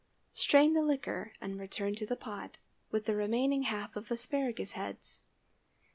Strain the liquor and return to the pot, with the remaining half of the asparagus heads.